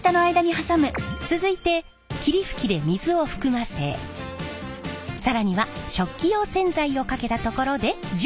続いて霧吹きで水を含ませ更には食器用洗剤をかけたところで準備は完了。